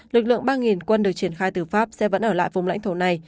lực lượng ba quân được triển khai từ pháp sẽ vẫn ở lại vùng lãnh thổ này